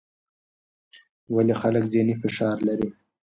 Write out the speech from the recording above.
ولې خلک ذهني فشار لري؟